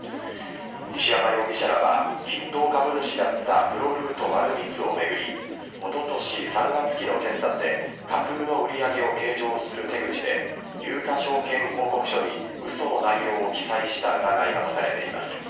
石山容疑者らは筆頭株主だったプロルート丸光を巡りおととし３月期の決算で架空の売り上げを計上する手口で有価証券報告書に嘘の内容を記載した疑いが持たれています。